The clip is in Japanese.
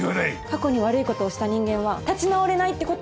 過去に悪い事をした人間は立ち直れないって事？